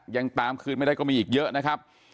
ยังตามคืนไม่ได้ก็มีอีกเยอะนะครับ